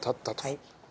はい。